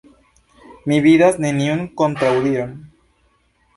Mi vidas neniun kontraŭdiron.